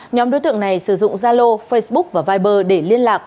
nhóm đối tượng này sử dụng zalo facebook và viber để liên lạc